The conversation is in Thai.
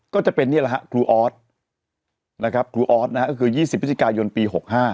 ก็จะเป็นครูออสครูออสคือ๒๐พยปี๖๕